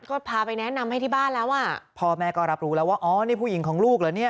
ก็พาไปแนะนำให้ที่บ้านแล้วอ่ะพ่อแม่ก็รับรู้แล้วว่าอ๋อนี่ผู้หญิงของลูกเหรอเนี่ย